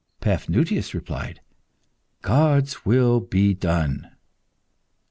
Paphnutius replied "God's will be done!"